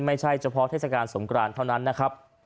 ไม่ใช่เฉพาะเทศกาลสงกรานเท่านั้นนะครับ